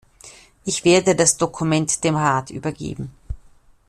Ich werde das Dokument dem Rat übergeben.